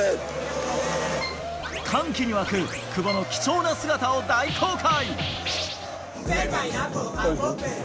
歓喜に沸く久保の貴重な姿を大公開。